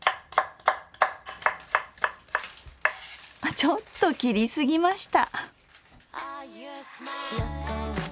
ちょっと切り過ぎました。